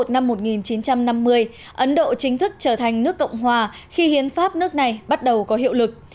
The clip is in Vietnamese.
năm một nghìn chín trăm năm mươi ấn độ chính thức trở thành nước cộng hòa khi hiến pháp nước này bắt đầu có hiệu lực